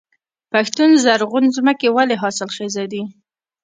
پښتون زرغون ځمکې ولې حاصلخیزه دي؟